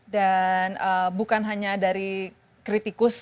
bukan hanya dari kritikus